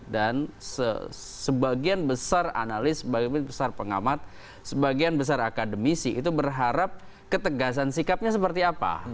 dan sebagian besar analis sebagian besar pengamat sebagian besar akademisi itu berharap ketegasan sikapnya seperti apa